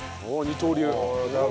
二刀流！